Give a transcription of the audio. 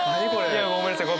いやごめんなさい。